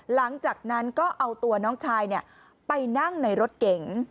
หลังจากนั้นก็เอาตัวน้องชายไปนั่งในรถเก๋ง